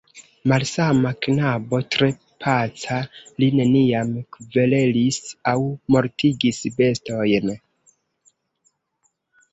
Malsama knabo, tre paca, li neniam kverelis aŭ mortigis bestojn.